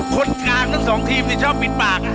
คนกลางทั้งสองทีมชอบปิดปาก